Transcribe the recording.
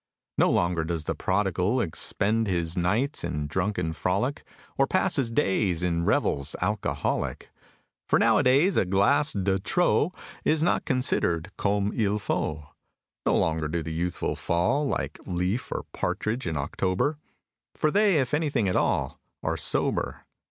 No longer does the Prodigal Expend his nights in drunken frolic; Or pass his days in revels al Coholic; For, nowadays, a glass de trop Is not considered comme il faut. No longer do the youthful fall, Like leaf or partridge in October; For they, if anything at all, Are sober.